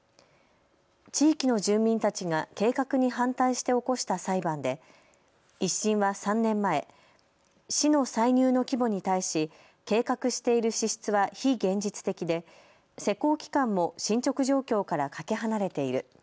地域の住民たちが計画に反対して起こした裁判で１審は３年前、市の歳入の規模に対し計画している支出は非現実的で施行期間も進捗状況からかけ離れている。